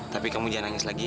tapi kamu jangan nangis lagi ya